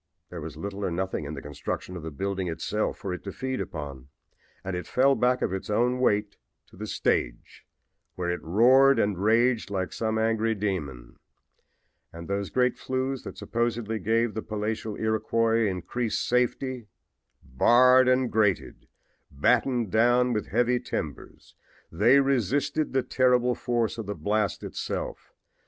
There was little or nothing in the construction of the building itself for it to feed upon, and it fell back of its own weight to the stage, where it roared and raged like some angry demon. And those great flues that supposedly gave the palatial Iroquois increased safety! Barred and grated, battened down with heavy timbers they resisted the terrific force of the blast itself.